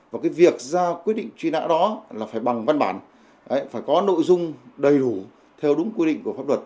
và cái việc ra quyết định truy nã đó là phải bằng văn bản phải có nội dung đầy đủ theo đúng quy định của pháp luật